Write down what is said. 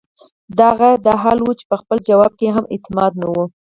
د هغه دا حال وۀ چې پۀ خپل جواب ئې هم اعتماد نۀ وۀ